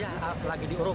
ya lagi diurut